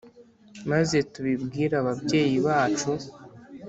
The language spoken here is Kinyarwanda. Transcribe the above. Maze tubibwire ababyeyi bacu